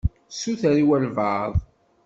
Suter i walebɛaḍ.